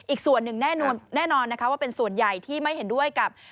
อีกส่วนหนึ่งแน่นอนนะคะว่าเป็นส่วนใหญ่ที่ไม่เห็นด้วยกับ